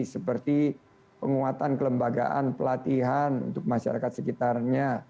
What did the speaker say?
seperti penguatan kelembagaan pelatihan untuk masyarakat sekitarnya